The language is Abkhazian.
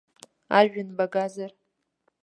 Ажәҩан багазар.